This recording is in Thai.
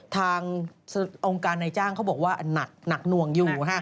ทางองค์การในจ้างเขาบอกว่าหนักหน่วงอยู่